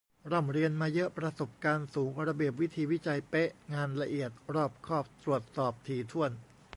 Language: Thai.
ร่ำเรียนมาเยอะ ประสบการณ์สูง ระเบียบวิธีวิจัยเป๊ะ งานละเอียด รอบคอบ ตรวจสอบถี่ถ้วน